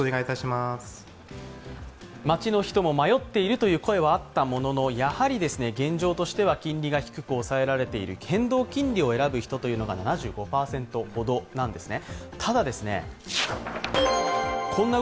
街の人も迷っているという声はあったもののやはり現状としては金利が低く抑えられている、変動金利を選ぶ人が７５％ほどなんですね。